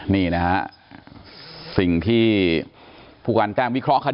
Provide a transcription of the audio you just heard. นี่นะครับสิ่งที่ผู้การจ้างคุณมาทำ